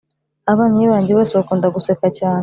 abavandimwe banjye bose bakunda guseka cyane